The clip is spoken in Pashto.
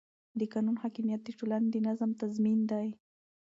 د قانون حاکمیت د ټولنې د نظم تضمین دی